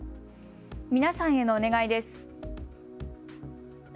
皆さんへのお願いです。